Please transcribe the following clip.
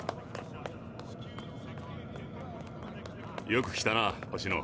よく来たな星野。